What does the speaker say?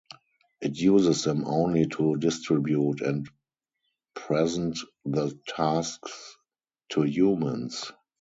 It uses them only to distribute and present the tasks to humans.